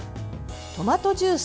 トマトジュース。